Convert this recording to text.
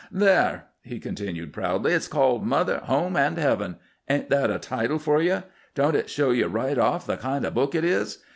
"There," he continued proudly. "It's called 'Mother, Home, and Heaven!' Ain't that a title for ye? Don't it show ye right off the kind of book it is?